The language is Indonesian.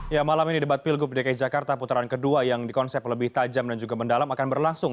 ya malam ini debat pilgub dki jakarta putaran kedua yang di konsep lebih tajam dan juga mendalam akan berlangsung